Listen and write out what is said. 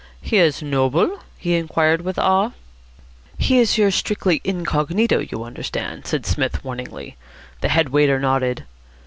"He is noble?" he inquired with awe. "He is here strictly incognito, you understand," said Psmith warningly. The head waiter nodded.